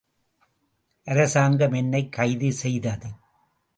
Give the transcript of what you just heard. அரசாங்கம் என்னைக் கைது செய்தது.